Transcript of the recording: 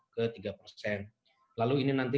ke tiga persen lalu ini nanti